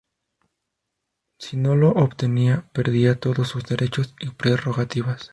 Si no lo obtenía, perdía todos sus derechos y prerrogativas.